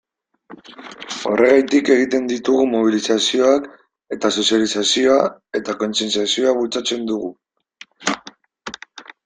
Horregatik egiten ditugu mobilizazioak, eta sozializazioa eta kontzientziazioa bultzatzen dugu.